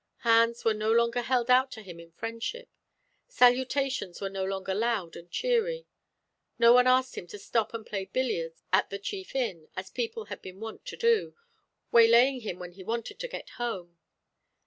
Hands were no longer held out to him in friendship; salutations were no longer loud and cheery. No one asked him to stop and play billiards at the chief inn, as people had been wont to do, waylaying him when he wanted to get home.